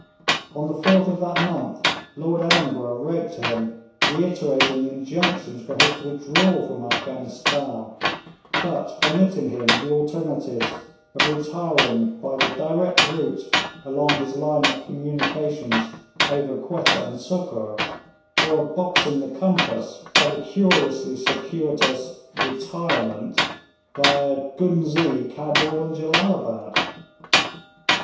On the 4th of that month Lord Ellenborough wrote to him, reiterating injunctions for his withdrawal from Afghanistan, but permitting him the alternatives of retiring by the direct route along his line of communications over Quetta and Sukkur, or of boxing the compass by the curiously circuitous 'retirement' via Ghuznee, Cabul, and Jellalabad.